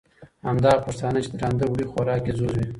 او همدغه پښتانه، چې درانده وړي خوراک یې ځوز وي،